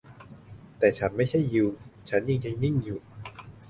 แต่ฉันไม่ใช่ยิว ฉันจึงยังนิ่งอยู่